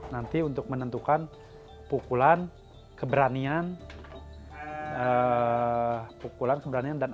nanti untuk menentukan pukulan keberanian pukulan keberanian dan